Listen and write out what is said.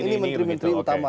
ini menteri menteri utama